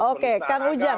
oke kang ujang